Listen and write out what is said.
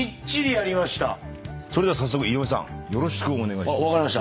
それでは早速井上さんよろしくお願いします。